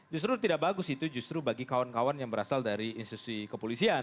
justru tidak bagus itu justru bagi kawan kawan yang berasal dari institusi kepolisian